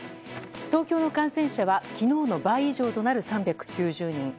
東京の感染者は昨日の倍以上となる３９０人。